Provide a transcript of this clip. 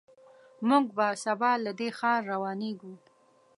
موږ به سبا له دې ښار روانېږو.